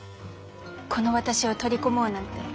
この私を取り込もうなんて。